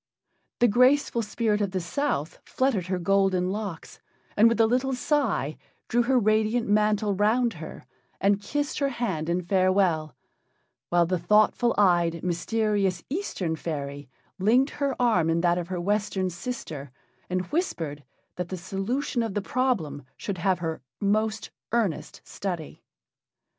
The graceful spirit of the South fluttered her golden locks, and with a little sigh drew her radiant mantle round her, and kissed her hand in farewell, while the thoughtful eyed, mysterious Eastern fairy linked her arm in that of her Western sister, and whispered that the solution of the problem should have her most earnest study.